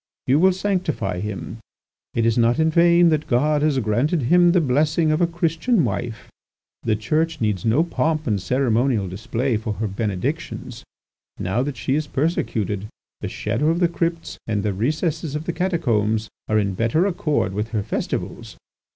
You will sanctify him. It is not in vain that God has granted him the blessing of a Christian wife. The Church needs no pomp and ceremonial display for her benedictions. Now that she is persecuted, the shadow of the crypts and the recesses of the catacombs are in better accord with her festivals.